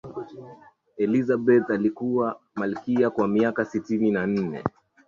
elizabeth alikuwa malkia kwa miaka sitini na nne